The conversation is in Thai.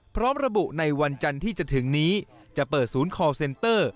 พร้อมระบุในวันจันทร์ที่จะถึงนี้จะเปิดศูนย์คอลเซนเตอร์